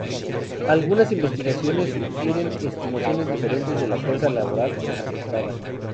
Algunas investigaciones sugieren estimaciones diferentes de la fuerza laboral aceptada.